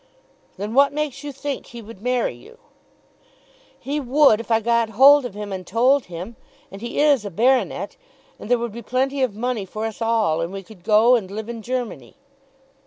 "Then what makes you think he would marry you?" "He would if I got hold of him and told him. And he is a baronet. And there would be plenty of money for us all. And we could go and live in Germany."